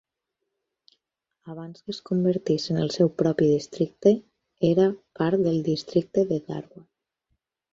Abans que es convertís en el seu propi districte era part del districte de Dharwad.